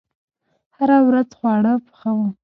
هره ورځ خواړه پخوم